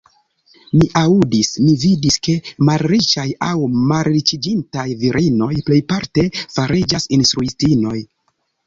Mi aŭdis, mi vidis, ke malriĉaj aŭ malriĉiĝintaj virinoj plejparte fariĝas instruistinoj.